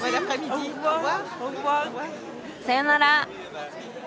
さよなら。